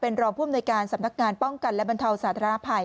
รองผู้อำนวยการสำนักงานป้องกันและบรรเทาสาธารณภัย